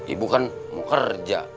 ibu kan mau kerja